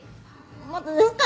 まだですか？